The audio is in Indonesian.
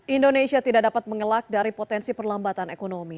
indonesia tidak dapat mengelak dari potensi perlambatan ekonomi